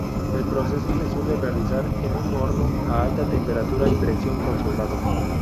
El proceso se suele realizar en un horno a alta temperatura y presión controlada.